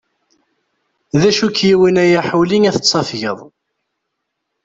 Acu k-iwwin a yaḥuli ad tettafgeḍ!